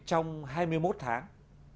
trong hai mươi một tháng